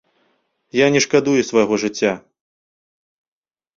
Я не шкадую свайго жыцця!